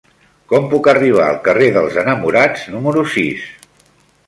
Com puc arribar al carrer dels Enamorats número sis?